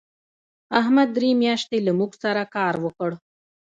احمد درې میاشتې له موږ سره کار وکړ.